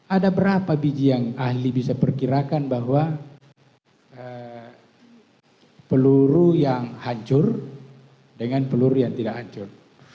ada berapa biji yang ahli bisa perkirakan bahwa peluru yang hancur dengan peluru yang tidak hancur